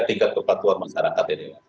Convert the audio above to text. tiga kepatuan masyarakat ini